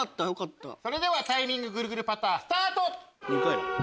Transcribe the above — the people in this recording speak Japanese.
それではタイミングぐるぐるパタースタート！